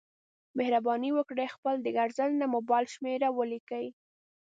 مهرباني وکړئ خپل د ګرځنده مبایل شمېره ولیکئ